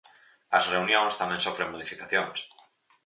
As reunións tamén sofren modificacións.